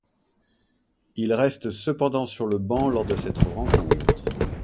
Il reste cependant sur le banc lors de cette rencontre.